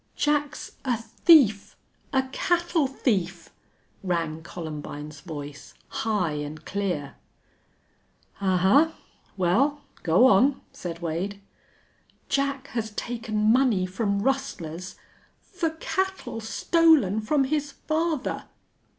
"Jack's a thief a cattle thief!" rang Columbine's voice, high and clear. "Ahuh! Well, go on," said Wade. "Jack has taken money from rustlers _for cattle stolen from his father!